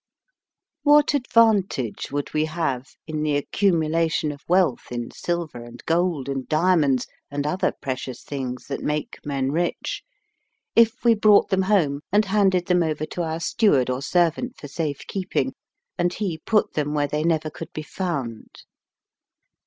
What advantage would we have in the accumulation of wealth in silver and gold and diamonds and other pre cious things that make men rich, if we brought them home and handed them over to our steward or servant for safe keeping, and he put them where they never could be found?